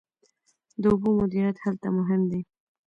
د اوبو مدیریت هلته مهم دی.